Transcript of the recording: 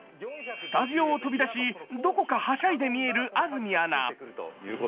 スタジオを飛び出し、どこかはしゃいで見える安住アナ。